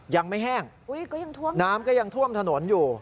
ยังไม่แห้งน้ำก็ยังท่วมถนนอยู่